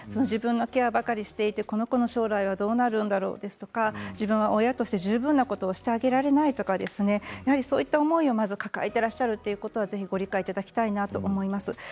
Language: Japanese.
自分のケアばかりをしていてこの子の将来はどうなるんだろうとか自分は親として十分なことをしてあげられないとかまずそういう思いを抱えていらっしゃるっていうことはご理解いただきたいと思います。